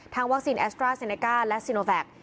ทางวัคซีนแอสตราซีเนคาร์และซิโนแฟค